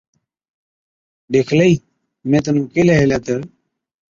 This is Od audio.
ڏيکلئِي مين تنُون ڪيهلَي هِلَي تہ،